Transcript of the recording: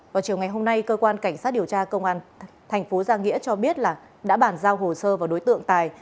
vào chiều ngày hôm nay cơ quan cảnh sát điều tra công an thành phố giang nghĩa cho biết là đã bàn giao hồ sơ vào đối tượng tài